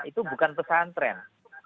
itu bukan pesantren